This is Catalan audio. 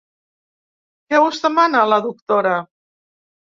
Què us demana, la doctora?